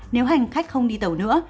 nếu hành khách không đi tàu nữa